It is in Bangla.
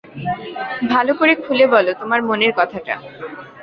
ভালো করে খুলে বলো তোমার মনের কথাটা।